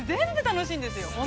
◆全部楽しいんですよ。